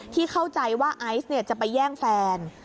ที่เข้าใจว่าไอซ์เนี่ยจะไปแย่งแฟน